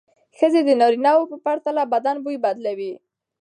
ښځې د نارینه وو پرتله بدن بوی بدلوي.